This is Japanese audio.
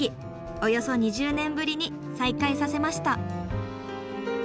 およそ２０年ぶりに再開させました。